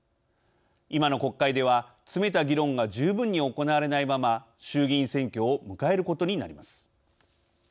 今の国会では、詰めた議論が十分に行われないまま衆議院選挙を迎えることになります。